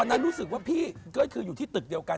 นั้นรู้สึกว่าพี่ก็คืออยู่ที่ตึกเดียวกัน